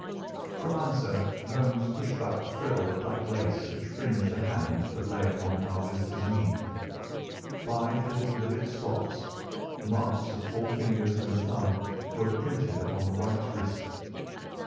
For answer Holmes pushed back the frill of black lace which fringed the hand that lay upon our visitor's knee. Five little livid spots, the marks of four fingers and a thumb, were printed upon the white wrist.